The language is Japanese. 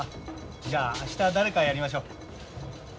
じゃああした誰かやりましょう。